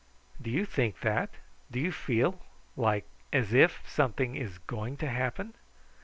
"Do you think that? do you feel like as if something is going to happen?"